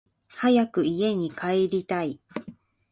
早く家に帰りたい